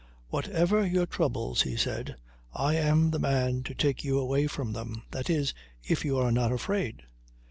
"Whatever your troubles," he said, "I am the man to take you away from them; that is, if you are not afraid.